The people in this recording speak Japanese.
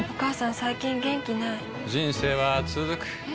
最近元気ない人生はつづくえ？